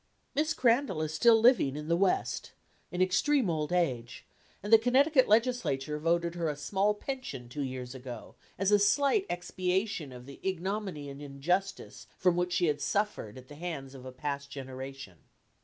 Miss Crandall is still living in the West, in extreme old age, and the Connecticut legislature voted her a small pension two years ago, as a slight expiation of the ignominy and injustice from which she had suffered at the hands of a past generation.